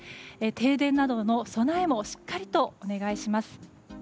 停電などへの備えもしっかりとお願いします。